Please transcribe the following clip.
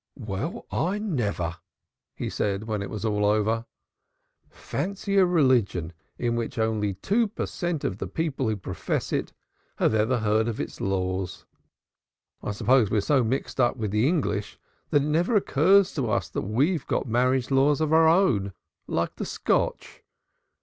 "Well, I never!" he said when it was over. "Fancy a religion in which only two per cent. of the people who profess it have ever heard of its laws. I suppose we're so mixed up with the English, that it never occurs to us we've got marriage laws of our own like the Scotch.